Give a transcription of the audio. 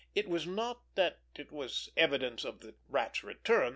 It was not that it was evidence of the Rat's return.